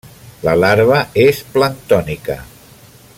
La larva és planctònica.